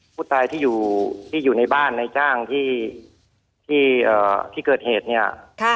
ผู้ตายที่อยู่ที่อยู่ในบ้านในจ้างที่เกิดเหตุเนี่ย